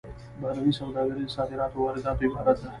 بهرنۍ سوداګري له صادراتو او وارداتو عبارت ده